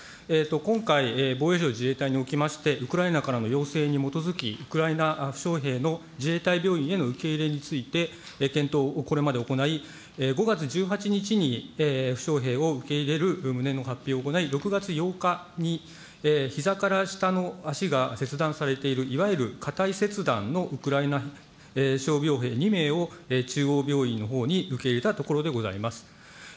今回、防衛省・自衛隊におきまして、ウクライナからの要請に基づき、ウクライナ負傷兵の自衛隊病院への受け入れについて、検討をこれまで行い、５月１８日に負傷兵を受け入れる旨の発表を行い、６月８日にひざから下の足が切断されているいわゆる下腿切断のウクライナ傷病兵２名を中央病院のほうに受け入れたところでございます。